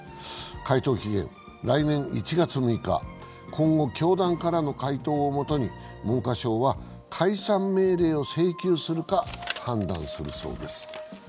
回答期限は来年１月６日、今後、教団からの回答をもとに文科省は解散命令を請求するか判断するそうです。